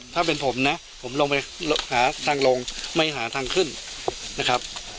ถ้าเป็นผมนะผมลงไปหาทางลงไม่หาทางขึ้นนะครับ